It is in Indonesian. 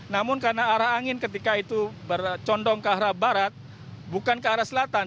namun karena arah angin ketika itu bercondong ke arah barat bukan ke arah selatan